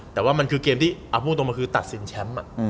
แต่ว่ามันคือเกมที่เอาพูดตรงมาคือตัดสินแชมป์